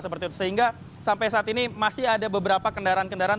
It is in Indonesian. sehingga sampai saat ini masih ada beberapa kendaraan kendaraan